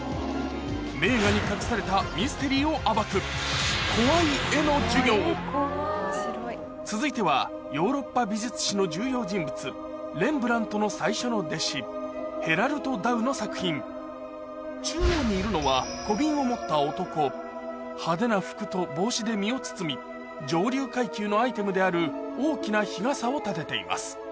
名画に隠されたミステリーを暴く怖い絵の授業続いてはヨーロッパ美術史の重要人物レンブラントの最初の弟子ヘラルト・ダウの作品中央にいるのは派手な服と帽子で身を包み上流階級のアイテムである大きな日傘を立てています